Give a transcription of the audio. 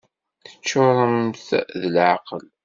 Teččuremt d leεqel!